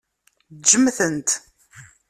Ǧǧem-tent.